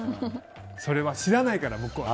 それは、知らないから向こう。